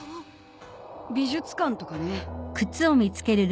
美術館とかね。